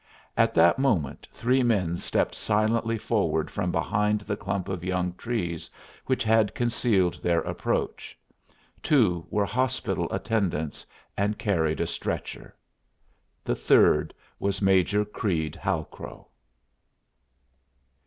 At that moment three men stepped silently forward from behind the clump of young trees which had concealed their approach. Two were hospital attendants and carried a stretcher. The third was Major Creede Halcrow.